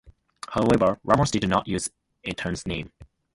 However, Ramos did not use Etan's name.